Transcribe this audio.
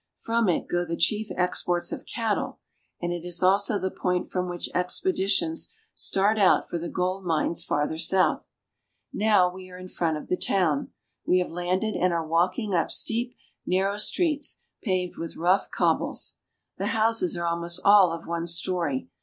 From it go the chief exports of cattle, and it is also the point from which expeditions start out for the gold mines farther south. Now we are in front of the town. We have landed and are walking up steep, narrow streets paved with rough ON THE ORINOCO. 331 cobbles. The houses are almost all of one story.